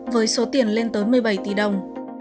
với số tiền lên tới một mươi bảy tỷ đồng